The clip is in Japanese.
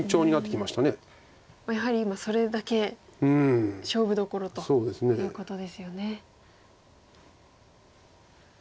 やはり今それだけ勝負どころということですよね。